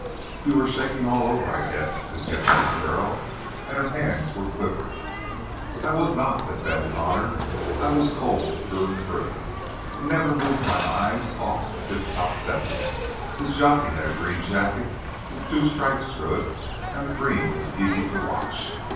"You were shaking all over, I guess," suggested the girl, and her hands were quivering. "I was not," said Ben Connor, "I was cold through and through, and never moved my eyes off Tip Top Second. His jockey had a green jacket with two stripes through it, and the green was easy to watch.